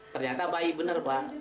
ternyata bayi bener pak